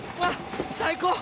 最高！